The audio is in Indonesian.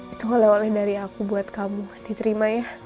itu lewat dari aku buat kamu diterima ya